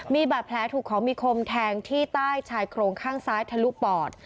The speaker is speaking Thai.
มีบาดแผลถูกของมีคมแทงที่ใต้ชายโครงข้างซ้ายทะลุปอด